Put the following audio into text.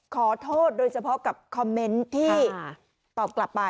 ขอโทษโดยเฉพาะกับคอมเมนต์ที่ตอบกลับไป